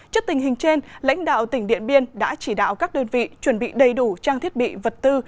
trước tình hình trên lãnh đạo tỉnh điện biên đã chỉ đạo các đơn vị chuẩn bị đầy đủ trang thiết bị vật tư